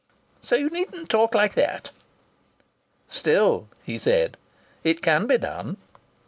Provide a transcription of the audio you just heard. So you needn't talk like that." "Still," he said, "it can be done."